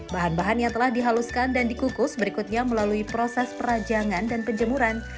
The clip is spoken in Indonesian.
bahan bahan yang telah dihaluskan dan dikukus berikutnya melalui proses perajangan dan penjemuran